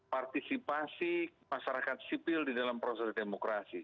partisipasi masyarakat sipil di dalam proses demokrasi